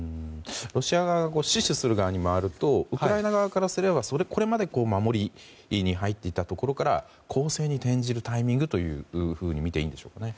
ロシア側が死守する側に回るとすればウクライナ側からすればこれまで守りに入っていたところから攻勢に転じるタイミングとみていいでしょうか。